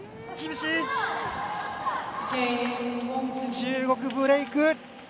中国、ブレーク。